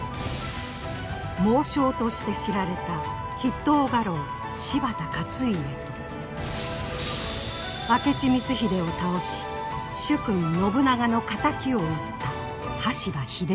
猛将として知られた筆頭家老柴田勝家と明智光秀を倒し主君信長の敵を討った羽柴秀吉。